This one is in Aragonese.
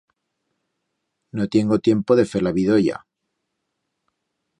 No tiengo tiempo de fer la bidolla.